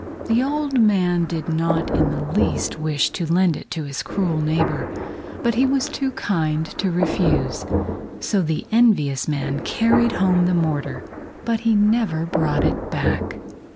The old man did not in the least wish to lend it to his cruel neighbor, but he was too kind to refuse. So the envious man carried home the mortar, but he never brought it back.